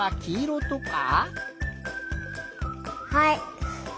はい！